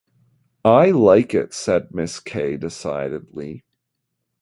"I like it," said Mrs. Kay decidedly.